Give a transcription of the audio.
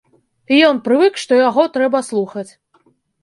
І ён прывык, што яго трэба слухаць.